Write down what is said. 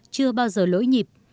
chưa bao giờ lỗi nhịp